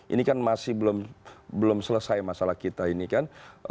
ini kan masih belum selesai masalah kita ini kan